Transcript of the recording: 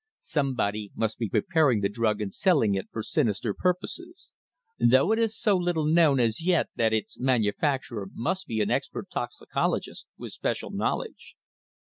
"Somebody must be preparing the drug and selling it for sinister purposes. Though it is so little known as yet that its manufacturer must be an expert toxicologist with special knowledge."